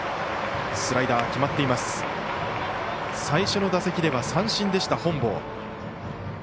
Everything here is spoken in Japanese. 最初の打席では三振でした本坊。